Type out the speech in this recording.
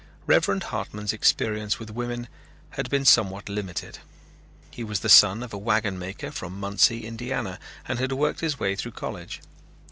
Reverend Hartman's experience with women had been somewhat limited. He was the son of a wagon maker from Muncie, Indiana, and had worked his way through college.